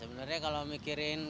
sebenarnya kalau mikirin bisa